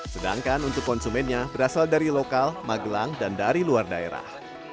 sedangkan untuk konsumennya berasal dari lokal magelang dan dari luar daerah